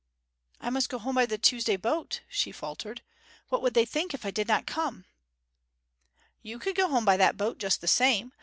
'I must go home by the Tuesday boat,' she faltered. 'What would they think if I did not come?' 'You could go home by that boat just the same.